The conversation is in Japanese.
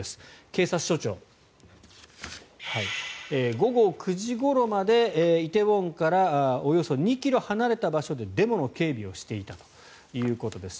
警察署長、午後９時ごろまで梨泰院からおよそ２ｋｍ離れた場所でデモの警備をしていたということです。